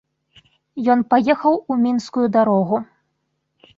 Ён паехаў у мінскую дарогу.